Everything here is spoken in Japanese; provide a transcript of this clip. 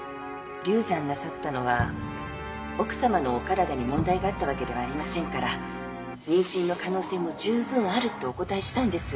流産なさったのは奥さまのお体に問題があったわけではありませんから妊娠の可能性もじゅうぶんあるってお答えしたんです。